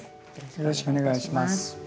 よろしくお願いします。